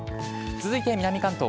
続いて南関東。